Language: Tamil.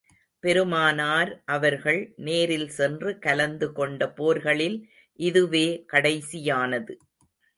பெருமானார் அவர்கள் நேரில் சென்று கலந்து கொண்ட போர்களில் இதுவே கடைசியானது.